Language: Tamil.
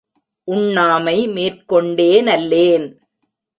உண்ணாமை மேற்கொண்டே னல்லேன்.